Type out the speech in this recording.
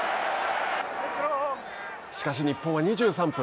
しかし日本は２３分。